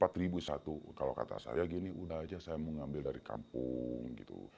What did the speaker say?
kalau kata saya gini udah aja saya mau ngambil dari kampung